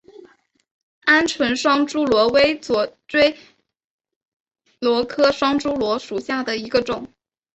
鹌鹑双珠螺为左锥螺科双珠螺属下的一个种。